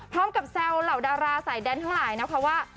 พร้อมกับแซวเหล่าดาราสายแดนเท่าไหร่นะคะว่า